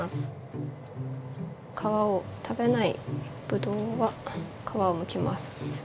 皮を食べないぶどうは皮をむきます。